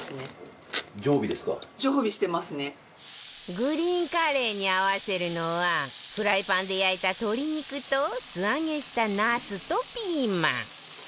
グリーンカレーに合わせるのはフライパンで焼いた鶏肉と素揚げしたなすとピーマン